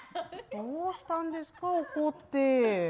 どうしたんですか、怒って。